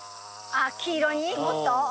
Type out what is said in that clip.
黄色にもっと？